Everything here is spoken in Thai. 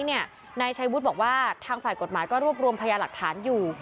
นายชัยวุฒิบอกว่าทางฝ่ายกฎหมายก็รวบรวมพยาหลักฐานอยู่